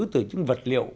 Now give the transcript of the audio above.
từ những vật liệu